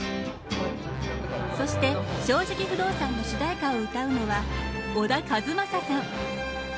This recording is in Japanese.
そして「正直不動産」の主題歌を歌うのは小田和正さん。